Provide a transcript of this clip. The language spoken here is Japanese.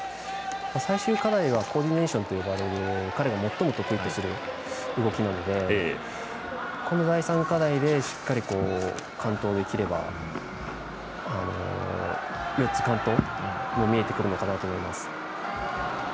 最終課題はコーディネーションと呼ばれる彼が最も得意な動きなので、この第３課題でしっかり完登できれば４つ完登も見えてくるのかなと思います。